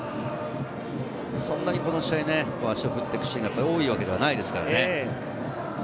そんなにこの試合、足を振っていくシーンが多いわけではないですからね。